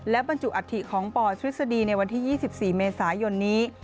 และบรรจุอัฐิของปทฤษฎีในวันที่๒๔เมษายนนี้